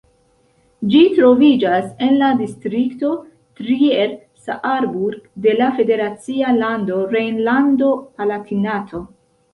Ĝi troviĝas en la distrikto Trier-Saarburg de la federacia lando Rejnlando-Palatinato.